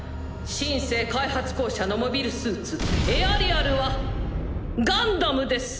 「シン・セー開発公社」のモビルスーツエアリアルはガンダムです。